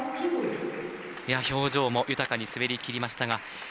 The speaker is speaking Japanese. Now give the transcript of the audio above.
表情も豊かに滑りきりましたが。